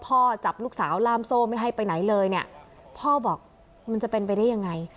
พ่อจับลูกสาวล่ามโซ่ไม่ให้ไปไหนเลยเนี่ยพ่อบอกมันจะเป็นไปได้ยังไง